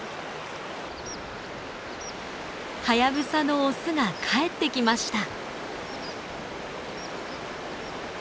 ハヤブサのオスが帰ってきました。